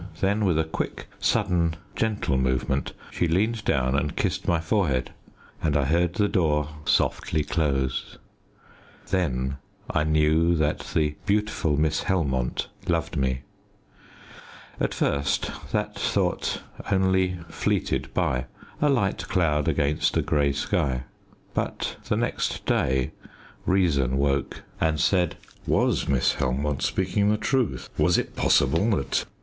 Then, with a quick, sudden, gentle movement she leaned down and kissed my forehead and I heard the door softly close. Then I knew that the beautiful Miss Helmont loved me. At first that thought only fleeted by a light cloud against a grey sky but the next day reason woke, and said "Was Miss Helmont speaking the truth? Was it possible that